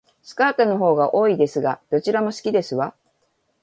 スカートの方が多いですが、どちらも好きですわ